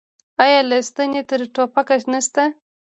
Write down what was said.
آیا له ستنې تر ټوپکه نشته؟